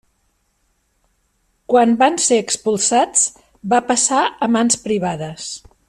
Quan van ser expulsats va passar a mans privades.